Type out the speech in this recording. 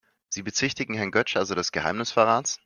Sie bezichtigen Herrn Götsch also des Geheimnisverrats?